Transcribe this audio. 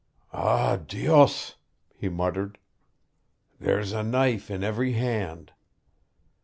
"Ah, Dios!" he muttered. "There's a knife in every hand."